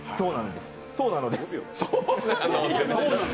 そうなのです。